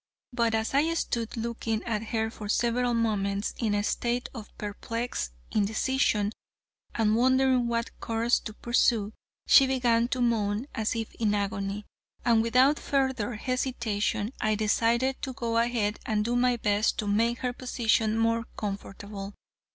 But as I stood looking at her for several moments in a state of perplexed indecision, and wondering what course to pursue, she began to moan as if in agony, and without further hesitation I decided to go ahead and do my best to make her position more comfortable.